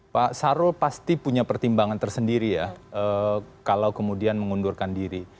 pak s y l pasti punya pertimbangan tersendiri ya kalau kemudian mengundurkan diri